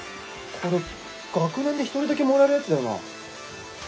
これ学年で１人だけもらえるやつだよな？